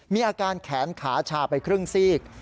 มีอาการแขนขาชาไปครึ่งซีก